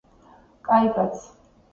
კაი კაცი